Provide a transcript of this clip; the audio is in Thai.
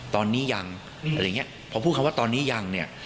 ตอนนี้ยังอะไรอย่างเงี้ยพอพูดคำว่าตอนนี้ยังเนี่ย